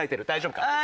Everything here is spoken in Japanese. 大丈夫か？